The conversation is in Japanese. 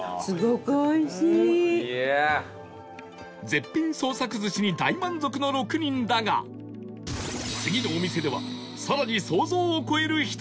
絶品創作寿司に大満足の６人だが次のお店では更に想像を超える一品が！